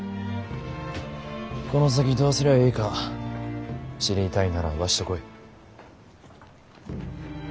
この先どうすりゃえいか知りたいならわしと来い。